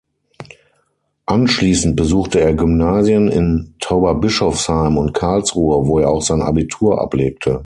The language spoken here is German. Anschließend besuchte er Gymnasien in Tauberbischofsheim und Karlsruhe, wo er auch sein Abitur ablegte.